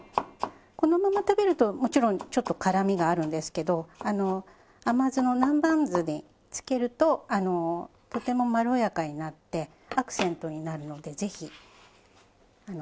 このまま食べるともちろんちょっと辛みがあるんですけど甘酢の南蛮酢に漬けるととてもまろやかになってアクセントになるのでぜひ入れてみてください。